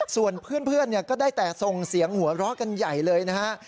ส่วนเพื่อนก็ได้แต่ส่งเสียงหัวเราะกันใหญ่เลยนะฮะ